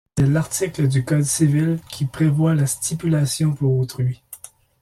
C'est l'article du Code civil qui prévoit la stipulation pour autrui.